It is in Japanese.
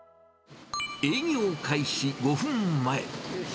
営業開始５分前。